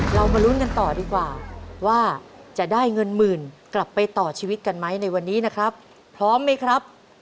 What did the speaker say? มาลุ้นกันต่อดีกว่าว่าจะได้เงินหมื่นกลับไปต่อชีวิตกันไหมในวันนี้นะครับพร้อมไหมครับ